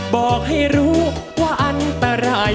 บอกให้รู้ว่าอันตราย